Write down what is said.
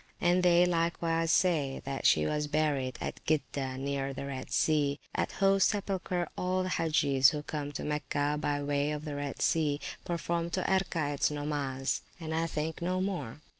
And they likewise say, that she was buried at Gidda near the Red Sea; at whose sepulchre all the Hagges who come to Mecca by way of the Red Sea, perform two Erkaets nomas, and, I think, no more.